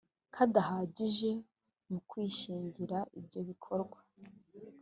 kadahagije mu kwishingira ibyo bikorwa